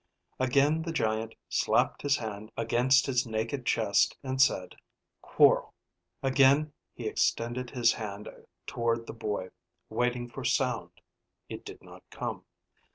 Again the giant slapped his hand against his naked chest and said, "Quorl." Again he extended his hand toward the boy, waiting for sound. It did not come.